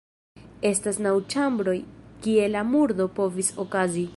Estas naŭ ĉambroj, kie la murdo povis okazi.